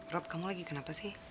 rob kamu lagi kenapa sih